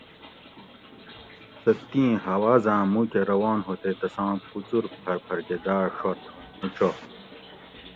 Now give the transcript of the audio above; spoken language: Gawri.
سہ تیں ھاوازاۤں موکہ روان ھو تے تساں کوچور پھر پھر کہ داۤڛت ھوں مو چو